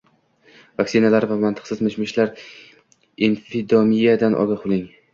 Vaksinalar va mantiqsiz mish-mishlar: infodemiyadan ogoh bo‘ling